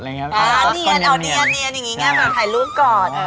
เอาเนียนที่จะถ่ายรูปกอด